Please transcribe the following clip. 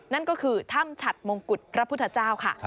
นั่นก็คือถ้ำฉัดมงกุฎพระพุทธเจ้าค่ะ